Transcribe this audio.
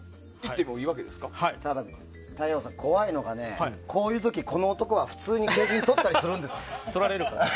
タイヤ王さん、怖いのがこういう時、この男は普通に景品を取ったりするんですよ。